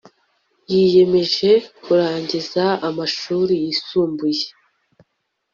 yiyemeje kurangiza amashuri yisumbuye